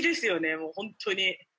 もう本当に。